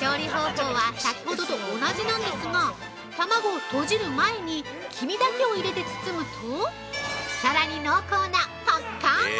調理方法は先ほどと同じなんですが、卵をとじる前に、黄身だけを入れて包むとさらに濃厚なぱっかーん